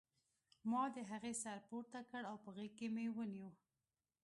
ما د هغې سر پورته کړ او په غېږ کې مې ونیو